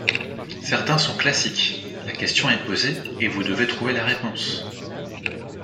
Certains sont classiques, la question est posée et vous devez trouver la réponse.